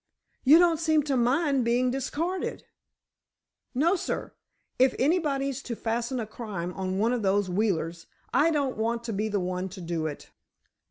"You don't seem to mind being discarded!" "No, sir. If anybody's to fasten a crime on one of those Wheelers, I don't want to be the one to do it."